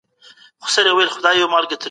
احمد شاه ابدالي څنګه خپلو خلګو ته ورسېد؟